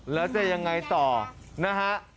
แล้วจะยังไงต่อนะฮะ